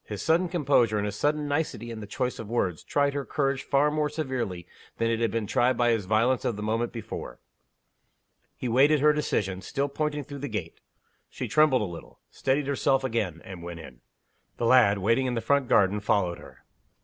His sudden composure, and his sudden nicety in the choice of words, tried her courage far more severely than it had been tried by his violence of the moment before. He waited her decision, still pointing through the gate. She trembled a little steadied herself again and went in. The lad, waiting in the front garden, followed her.